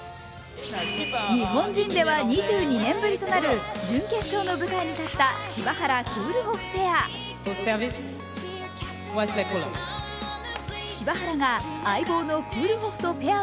日本人では２２年ぶりとなり準決勝の舞台立った柴原・クールホフペア。